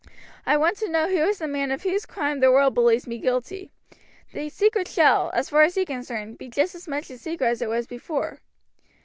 I want to know who is the man of whose crime the world believes me guilty. The secret shall, as far as he is concerned, be just as much a secret as it was before."